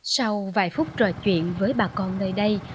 sau vài phút trò chuyện với bà con nơi đây